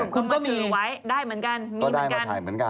ก็ได้มาถ่ายเหมือนกัน